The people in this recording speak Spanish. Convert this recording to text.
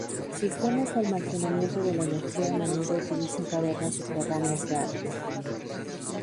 Sistemas de almacenamiento de la energía a menudo utilizan cavernas subterráneas grandes.